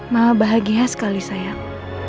mama bahagia sekali sayang